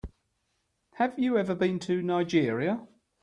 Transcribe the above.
Have you ever been to Nigeria?